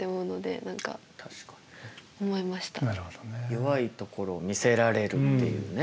弱いところを見せられるっていうね。